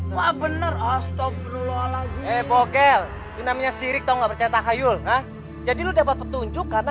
mau mumpet ya ngapain lo